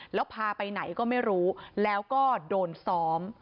แล้วพาไปไหนก็ไม่รู้แล้วก็โดนซ้อม